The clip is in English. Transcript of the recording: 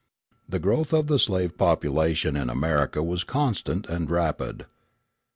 The growth of the slave population in America was constant and rapid.